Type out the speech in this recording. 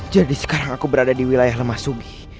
jadi sekarang aku berada di wilayah lemah sugi